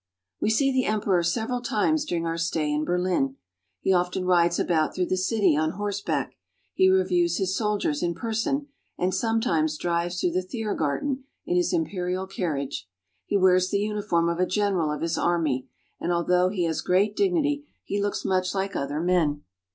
WE see the emperor several times during our stay in Berlin. He often rides about through the city on horseback; he reviews his soldiers in person, and some times drives through the Thiergarten in his imperial carriage. He wears the uniform of a general of his army, and although he has great dignity, he looks much like other men.